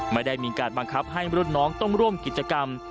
ไม่ได้มีการบังคับให้รุ่นน้องต้องร่วมกิจกรรม